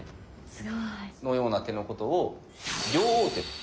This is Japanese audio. このような手のことを「両王手」と。